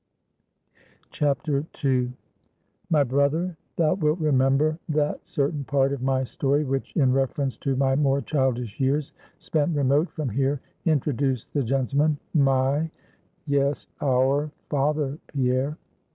II. "My brother, thou wilt remember that certain part of my story which in reference to my more childish years spent remote from here, introduced the gentleman my yes, our father, Pierre.